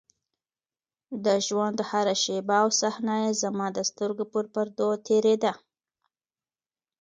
د ژونـد هـره شـيبه او صحـنه يـې زمـا د سـترګو پـر پـردو تېـرېده.